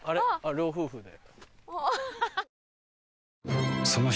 老夫婦で。